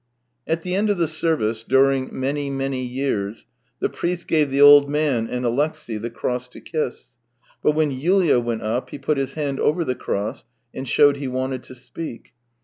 At the end of the service, during " Many, many years," the priest gave the old man and Alexey the cross to kiss, but when Yulia went up, he put his hand o\er the cross, and showed he wanted to speak.